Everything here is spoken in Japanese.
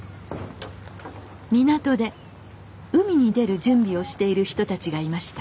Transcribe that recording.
港で海に出る準備をしている人たちがいました。